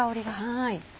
はい。